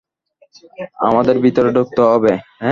আমাদের ভিতরে ঢুকতে হবে।